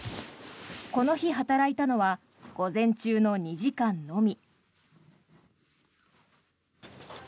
この日働いたのは午前中の２時間のみ。